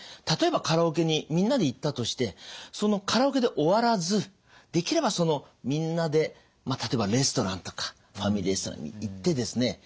例えばカラオケにみんなで行ったとしてそのカラオケで終わらずできればそのみんなで例えばレストランとかファミリーレストランに行ってですね